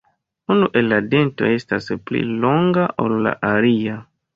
Unu el la dentoj estas pli longa ol la alia.